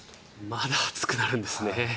まだ暑くなるんですね。